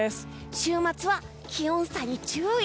週末は気温差に注意。